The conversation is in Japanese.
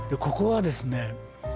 ここはですね